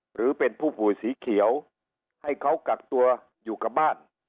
หรือเป็นผู้ป่วยสีเขียวให้เขากักตัวอยู่กับบ้าน